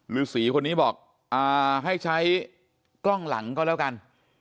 ฤษีคนนี้บอกให้ใช้กล้องหลังก็แล้วกัน